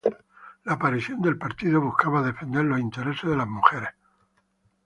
La aparición del partido buscaba defender los intereses de las mujeres.